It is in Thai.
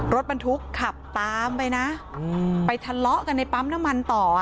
รถบรรทุกขับตามไปนะไปทะเลาะกันในปั๊มน้ำมันต่ออ่ะ